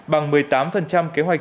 bằng một mươi tám kế hoạch